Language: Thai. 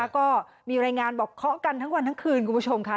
ก็มีรายงานบอกเคาะกันทั้งวันทั้งคืนคุณผู้ชมค่ะ